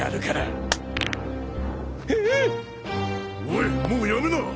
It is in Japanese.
おいもうやめな！